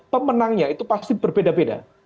pemenangnya itu pasti berbeda beda